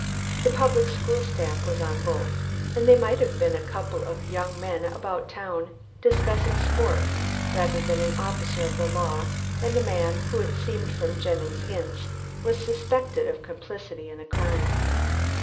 The public school stamp was on both, and they might have been a couple of young men about town discussing sport rather than an officer of the law and a man who (it seemed from Jennings' hints) was suspected of complicity in a crime.